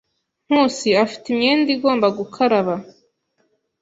Nkusi afite imyenda igomba gukaraba.